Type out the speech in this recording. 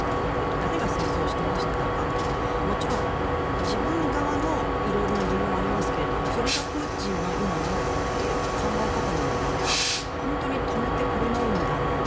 誰が戦争をしてましたかとかもちろん自分側の色々な疑問はありますけれどそれがプーチンの今の考え方なのであれば本当に止めてくれないんだろうな